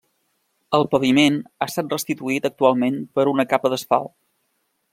El paviment ha estat restituït actualment per una capa d'asfalt.